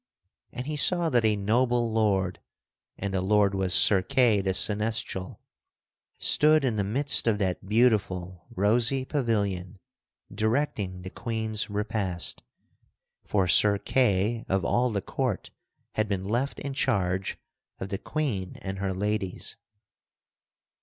And he saw that a noble lord (and the lord was Sir Kay the Seneschal), stood in the midst of that beautiful rosy pavilion directing the Queen's repast; for Sir Kay of all the court had been left in charge of the Queen and her ladies.